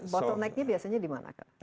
bottlenecknya biasanya dimana